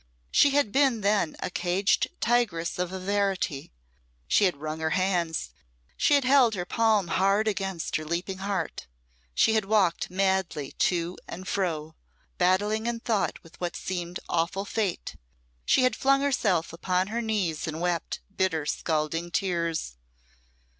She had been then a caged tigress of a verity; she had wrung her hands; she had held her palm hard against her leaping heart; she had walked madly to and fro, battling in thought with what seemed awful fate; she had flung herself upon her knees and wept bitter scalding tears.